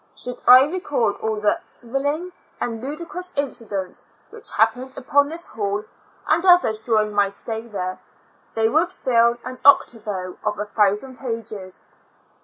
Should I record all the thrilling and ludi JA' A L UNA TIC ASYL ZTJL g 7 crous incidents which happened upon this ball, and others during my stay there, they would fill an octavo of a thousand pages.